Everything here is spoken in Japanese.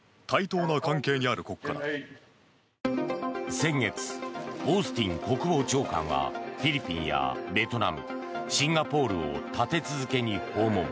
先月、オースティン国防長官がフィリピンやベトナムシンガポールを立て続けに訪問。